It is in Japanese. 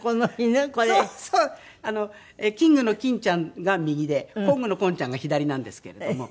キングのキンちゃんが右でコングのコンちゃんが左なんですけれども。